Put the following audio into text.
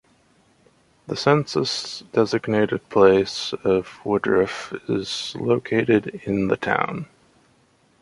The census-designated place of Woodruff is located in the town.